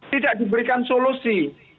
tidak diberikan solusi